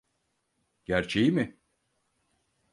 Gerçeği mi?